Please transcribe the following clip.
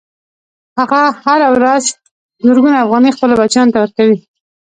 هغه هره ورځ زرګونه افغانۍ خپلو بچیانو ته ورکوي